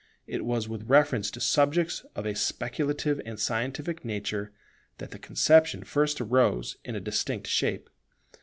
It was with reference to subjects of a speculative and scientific nature that the conception first arose in a distinct shape.